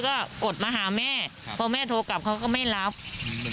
ก็กดมาหาแม่ครับเพราะแม่โทรกลับเขาก็ไม่รับอืม